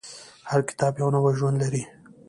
هر کتاب یو نوی ژوند لري.